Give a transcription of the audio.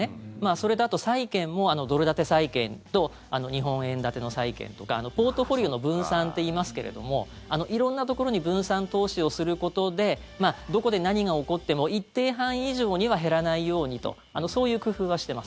それと債券も、ドル建て債券と日本円建ての債券とかポートフォリオの分散って言いますけれども色んなところに分散投資をすることでどこで何が起こっても一定範囲以上には減らないようにとそういう工夫はしてます。